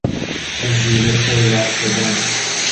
از زیر پل رد شدن